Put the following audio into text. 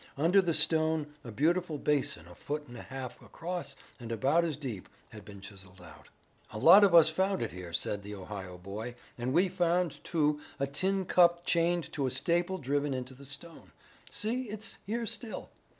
Under the stone a beautiful basin a foot and a half across and about as deep had been chiselled out. "A lot of us found it here," said the Ohio boy, "and we found, too, a tin cup chained to a staple driven into the stone. See, it's here still.